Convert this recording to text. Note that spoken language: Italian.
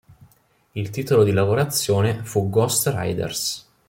Il titolo di lavorazione fu "Ghost Raiders".